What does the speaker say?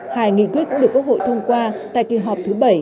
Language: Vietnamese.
hai nghị quyết cũng được quốc hội thông qua tại kỳ họp thứ bảy